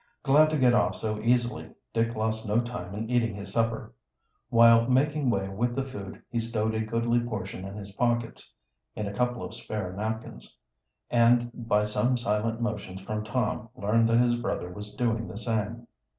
Glad to get off so easily, Dick lost no time in eating his supper. While making way with the food he stowed a goodly portion in his pockets, in a couple of spare napkins, and by some silent motions from Tom learned that his brother was doing the same.